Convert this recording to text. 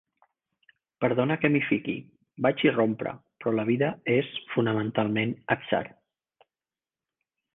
Perdona que m'hi fiqui, vaig irrompre, però la vida és fonamentalment atzar.